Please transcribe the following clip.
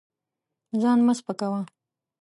ځان مه سپکوه.